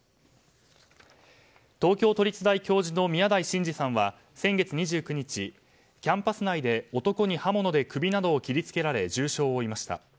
東京都立大教授の宮台真司さんは先月２９日、キャンパス内で男に刃物で首などを切りつけられ重傷を負いました。